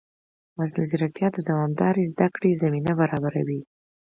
مصنوعي ځیرکتیا د دوامدارې زده کړې زمینه برابروي.